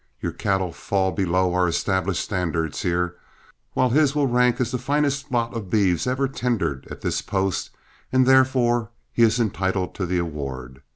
Your cattle fall below our established standards here, while his will take rank as the finest lot of beeves ever tendered at this post, and therefore he is entitled to the award.